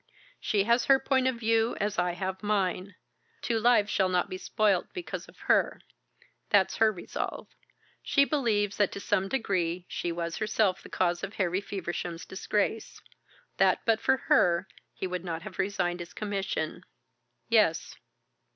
She has her point of view, as I have mine. Two lives shall not be spoilt because of her. That's her resolve. She believes that to some degree she was herself the cause of Harry Feversham's disgrace that but for her he would not have resigned his commission." "Yes."